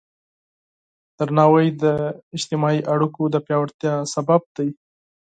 درناوی د اجتماعي اړیکو د پیاوړتیا سبب دی.